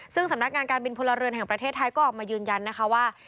ซึ่งสำนักงานการบินพลเรือนแห่งประเทศไทยก็ออกมายืนยันนะคะว่า